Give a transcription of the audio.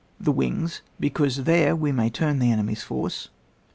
The wings, because there we may turn the enemy's force.